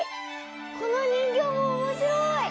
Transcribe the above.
この人形も面白い！